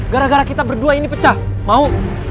gara gara kita berdua ini pecah mau